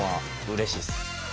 うれしいです。